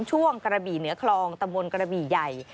ช่วงกระบี่เหนือคลองตำรวจกระบี่ใหญ่